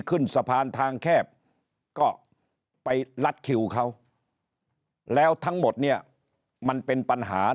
ขึ้นสะพานทางแคบก็ไปลัดคิวเขาแล้วทั้งหมดเนี่ยมันเป็นปัญหา